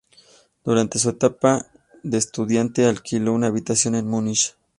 Durante su etapa de estudiante alquiló una habitación en Munich.